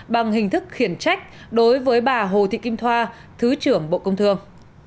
bằng hình thức khiển trách đối với bà hồ thị kim thoa thứ trưởng bộ công thương